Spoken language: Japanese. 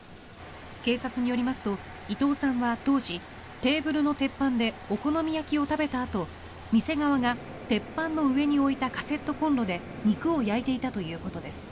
警察によりますと伊藤さんは当時テーブルの鉄板でお好み焼きを食べたあと店側が鉄板の上に置いたカセットコンロで肉を焼いていたということです。